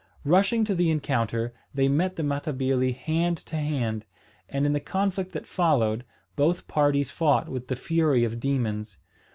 Rushing to the encounter, they met the Matabili hand to hand, and in the conflict that followed both parties fought with the fury of demons.